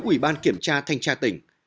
quỷ ban kiểm tra thanh tra tỉnh